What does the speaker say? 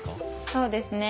そうですね。